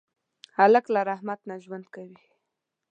هلک له رحمت نه ژوند کوي.